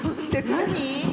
何？